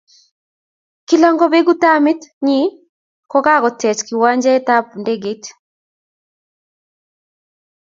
Kila ngobeku tamit nyin kokakotech kiwanjait ab indegeit